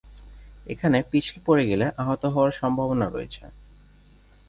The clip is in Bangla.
এখানে পিছলে পড়ে গেলে আহত হওয়ার সম্ভাবনা রয়েছে।